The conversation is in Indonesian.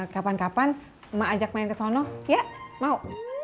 kapan kapan ma ajak main kesono ya mau